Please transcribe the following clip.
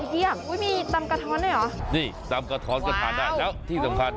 อุ้ยมีตำกะท้อนได้หรอนี่ตำกะท้อนจะทานได้แล้วที่สำคัญ